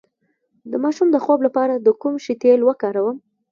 د ماشوم د خوب لپاره د کوم شي تېل وکاروم؟